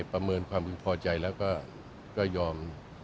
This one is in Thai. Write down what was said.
ประเมินความพึงพอใจแล้วก็ยอม